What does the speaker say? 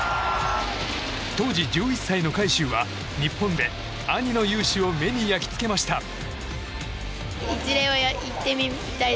当時１１歳の海祝は日本で兄の雄姿を目に焼き付けました。